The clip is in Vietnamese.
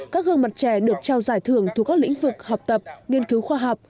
các gương mặt trẻ được trao giải thưởng thuộc các lĩnh vực học tập nghiên cứu khoa học